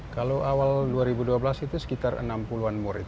kalau awal dua ribu dua belas itu sekitar enam puluh an murid